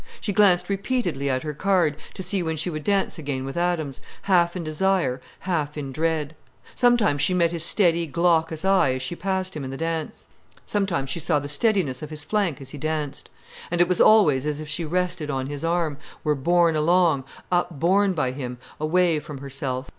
She glanced repeatedly at her card, to see when she would dance again with Adams, half in desire, half in dread. Sometimes she met his steady, glaucous eye as she passed him in the dance. Sometimes she saw the steadiness of his flank as he danced. And it was always as if she rested on his arm, were borne along, upborne by him, away from herself.